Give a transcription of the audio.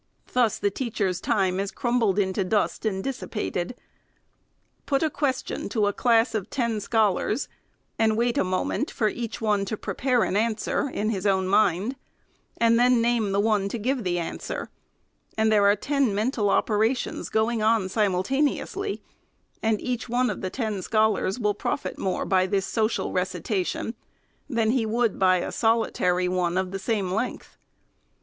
Thus the teach FIRST ANNUAL REPORT. 397 er's time is crumbled into dust and dissipated. Put a question to a class of ten scholars, and wait a moment for each one to prepare an answer in his own mind, and then name the one to give the answer, and there are ten mental operations going on simultaneously ; and each one of the ten scholars will profit more by this social re citation than he would by av solitary one of the same length.